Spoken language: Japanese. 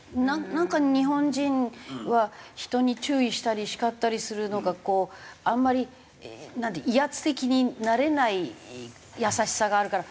なんか日本人は人に注意したり叱ったりするのがあんまり威圧的になれない優しさがあるから。